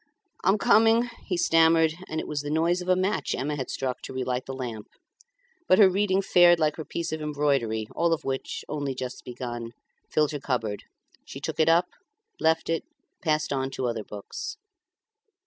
"I'm coming," he stammered; and it was the noise of a match Emma had struck to relight the lamp. But her reading fared like her piece of embroidery, all of which, only just begun, filled her cupboard; she took it up, left it, passed on to other books.